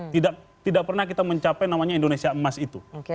tidak pernah kita mencapai namanya indonesia emas itu